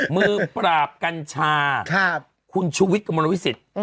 มือปราบกัญชาคุณชุวิตกำลังวิสิทธิ์